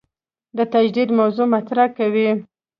د تجدید موضوع مطرح کوي.